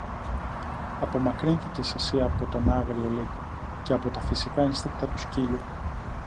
Απομακρύνθηκες εσύ από τον άγριο λύκο, και από τα φυσικά ένστικτα του σκύλου